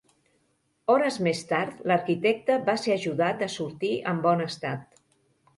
Hores més tard, l'arquitecte va ser ajudat a sortir en bon estat.